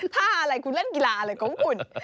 ถ้าอะไรคุณเล่นกีฬาอะไรของคุณ